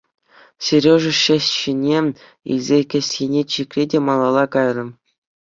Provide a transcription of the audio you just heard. Сережа ҫӗҫҫине илсе кӗсьене чикрӗ те малалла кайрӗ.